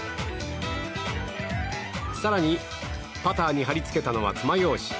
更に、パターに貼り付けたのはつまようじ。